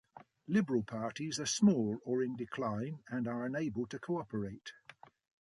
Liberal parties are small or in decline and are unable to cooperate.